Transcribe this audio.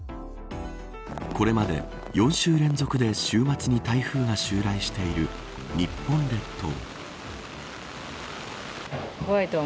これまで４週連続で週末に台風が襲来している日本列島。